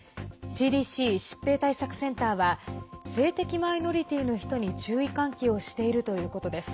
ＣＤＣ＝疾病対策センターは性的マイノリティーの人に注意喚起をしているということです。